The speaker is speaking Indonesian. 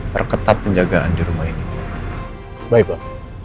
perketat penjagaan di rumah ini baiklah